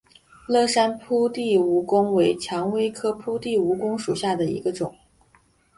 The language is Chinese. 乐山铺地蜈蚣为蔷薇科铺地蜈蚣属下的一个种。